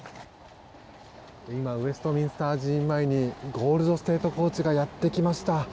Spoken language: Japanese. ウェストミンスター寺院前にゴールド・ステート・コーチがやってきました。